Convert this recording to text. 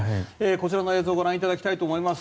こちらの映像をご覧いただきたいと思います。